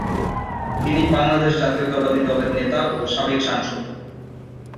তিনি বাংলাদেশ জাতীয়তাবাদী দলের নেতা ও সাবেক সাংসদ।